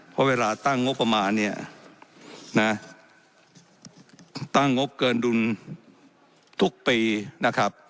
เพราะเวลาตั้งงบประมาณเนี่ยนะตั้งงบเกินดุลทุกปีนะครับ